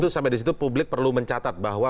sampai di situ publik perlu mencatat bahwa